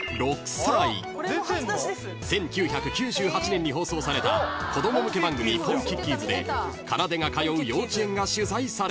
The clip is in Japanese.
［１９９８年に放送された子供向け番組『ポンキッキーズ』でかなでが通う幼稚園が取材された］